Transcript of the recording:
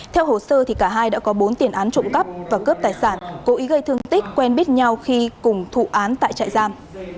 theo hồ sơ cả hai đã có bốn tiền án trộm cắp và cướp tài sản cố ý gây thương tích quen biết nhau khi cùng thụ án tại trại giam